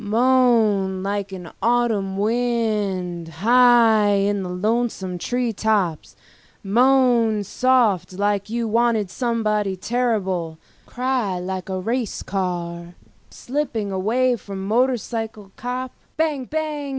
Moan like an autumn wind high in the lonesome tree tops, moan soft like you wanted somebody terrible, cry like a racing car slipping away from a motorcycle cop, bang bang!